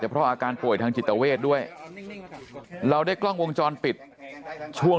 เพราะอาการป่วยทางจิตเวทด้วยเราได้กล้องวงจรปิดช่วง